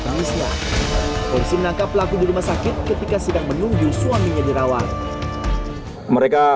penisnya polisi menangkap pelaku rumah sakit ketika sikat memungut suaminya dirawat mereka